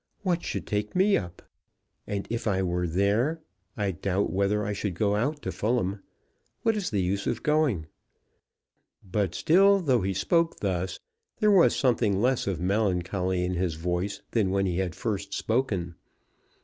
What should take me up? And if I were there, I doubt whether I should go out to Fulham. What is the use of going?" But still, though he spoke thus, there was something less of melancholy in his voice than when he had first spoken.